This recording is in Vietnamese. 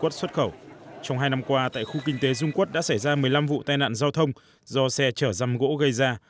trong hai năm qua tại khu kinh tế dung quốc đã xảy ra một mươi năm vụ tai nạn giao thông do xe chở răm gỗ gây ra